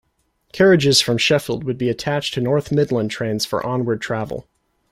Carriages from Sheffield would be attached to North Midland trains for onward travel.